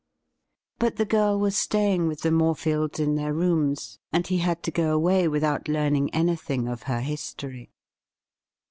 But the girl was stay CLELIA VINE 63 ing witii the Morefields in their rooms, and he had to go away without learning anything of her history.